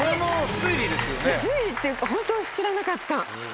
推理っていうかホント知らなかった。